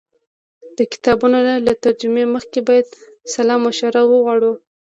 د کتابونو له ترجمې مخکې باید سلا مشوره وغواړو.